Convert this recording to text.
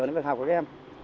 làm một ngày nghỉ